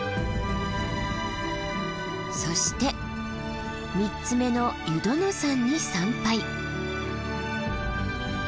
そして３つ目の湯殿山に参拝。